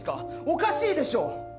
おかしいでしょ！